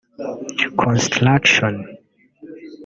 Construction